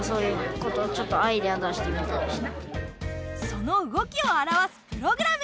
その動きを表すプログラム